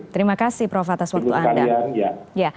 terima kasih prof atas waktu anda